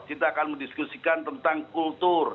kita akan mendiskusikan tentang kultur